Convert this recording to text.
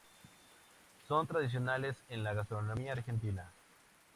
Son tradicionales en la gastronomía argentina.